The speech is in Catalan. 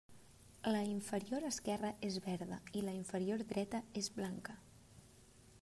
La inferior esquerra és verda i la inferior dreta és blanca.